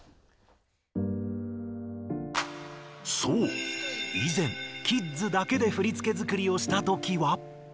そういぜんキッズだけで振付づくりをしたときは。